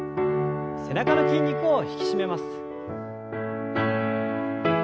背中の筋肉を引き締めます。